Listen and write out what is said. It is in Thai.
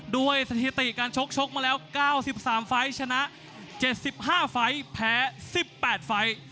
สถิติการชกชกมาแล้ว๙๓ไฟล์ชนะ๗๕ไฟล์แพ้๑๘ไฟล์